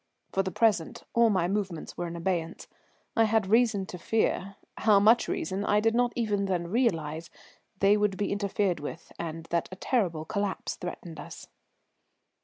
For the present all my movements were in abeyance. I had reason to fear how much reason I did not even then realize they would be interfered with, and that a terrible collapse threatened us.